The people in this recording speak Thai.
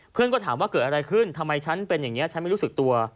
เพื่อนก็ถามว่าเกิดอะไรขึ้นทำไมฉันเป็นอย่างนี้ฉันไม่รู้สึกตัว